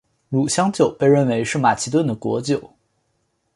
乳香酒被认为是马其顿的国酒。